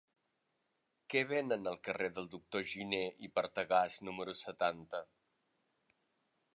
Què venen al carrer del Doctor Giné i Partagàs número setanta?